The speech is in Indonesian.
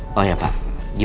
udah sana tidur